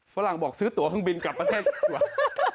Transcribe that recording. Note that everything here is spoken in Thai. ฝรั่งบอกซื้อตั๋วข้างบินกลับมาแท่ก่ว่า